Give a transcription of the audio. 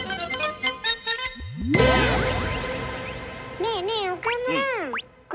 ねえねえ岡村！